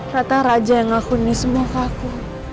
kata raja yang ngakuni semua ke aku